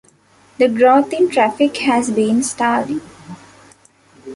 The growth in traffic has been startling.